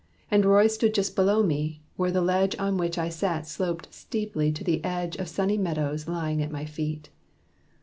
And Roy stood just below me, where the ledge On which I sat sloped steeply to the edge Of sunny meadows lying at my feet.